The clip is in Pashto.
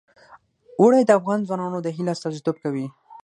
اوړي د افغان ځوانانو د هیلو استازیتوب کوي.